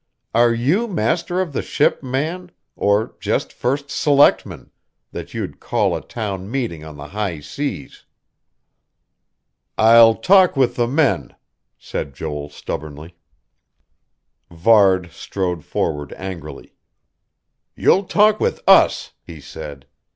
Are you master of the ship, man; or just first selectman, that you'd call a town meeting on the high seas?" "I'll talk with the men," said Joel stubbornly. Varde strode forward angrily. "You'll talk with us," he said.